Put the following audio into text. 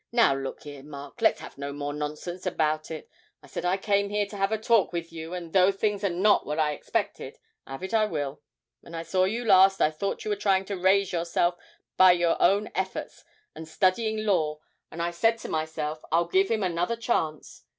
'Now look here, Mark, let's have no more nonsense about it. I said I came here to have a little talk with you, and though things are not what I expected, 'ave it I will. When I saw you last, I thought you were trying to raise yourself by your own efforts and studying law, and I said to myself, "I'll give him another chance."